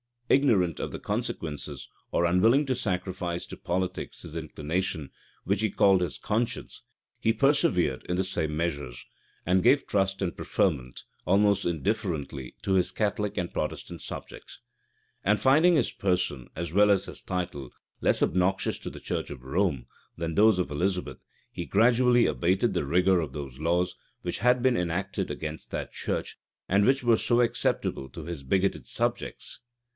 Ignorant of the consequences, or unwilling to sacrifice to politics his inclination, which he called his conscience, he persevered in the same measures, and gave trust and preferment, almost indifferently, to his Catholic and Protestant subjects. And finding his person, as well as his title, less obnoxious to the church of Rome, than those of Elizabeth, he gradually abated the rigor of those laws which had been enacted against that church, and which were so acceptable to his bigoted subjects.